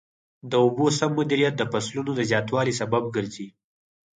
د اوبو سم مدیریت د فصلونو د زیاتوالي سبب ګرځي.